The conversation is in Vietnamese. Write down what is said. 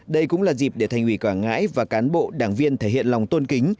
đây cũng là dịp để thành ủy quảng ngãi và cán bộ đảng viên thể hiện lòng tôn kính